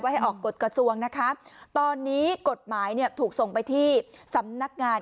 ให้ออกกฎกระทรวงนะคะตอนนี้กฎหมายเนี่ยถูกส่งไปที่สำนักงาน